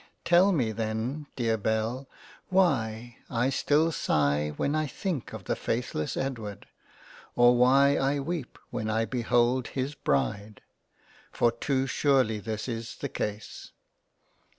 Tell me then dear Belle why I still sigh when I think of the faithless Edward, or why I weep when I behold his Bride, for too surely this is the case —